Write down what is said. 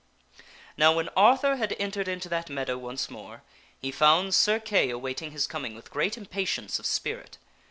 Now when Arthur had entered into that meadow once more, he found Sir Kay awaiting his coming with great impatience of spirit.